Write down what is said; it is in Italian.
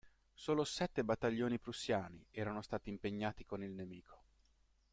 Solo sette battaglioni prussiani erano stati impegnati con il nemico.